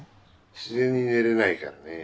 自然に寝れないからねえ。